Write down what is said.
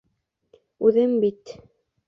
— Үҙең бит...